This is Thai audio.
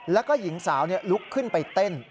แล้วก็หญิงสาวลุกขึ้นไปเต้น